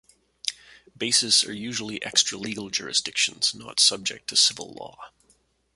Bases are usually extra-legal jurisdictions not subject to civil law.